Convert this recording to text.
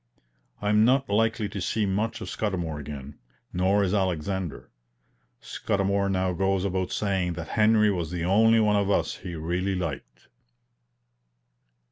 I am not likely to see much of Scudamour again, nor is Alexander. Scudamour now goes about saying that Henry was the only one of us he really liked.